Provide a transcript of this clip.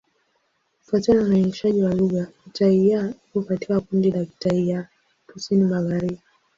Kufuatana na uainishaji wa lugha, Kitai-Ya iko katika kundi la Kitai ya Kusini-Magharibi.